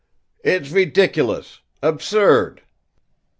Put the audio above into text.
"It's ridiculous, absurd!